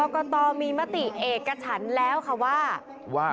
กตมีมติเอกฉันแล้วค่ะว่า